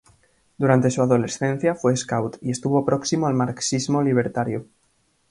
Durante su adolescencia, fue scout y estuvo próximo al marxismo libertario.